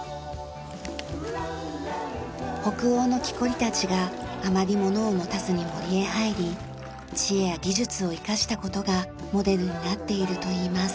北欧のきこりたちがあまり物を持たずに森へ入り知恵や技術を生かした事がモデルになっているといいます。